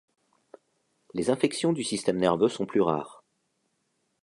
Les infections du système nerveux sont plus rares.